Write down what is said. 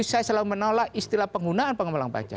saya selalu menolak istilah penggunaan pengembang pajak